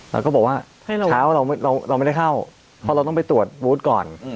เราก็บอกว่าเช้าเราไม่ได้เข้าเพราะเราต้องไปตรวจบูธก่อน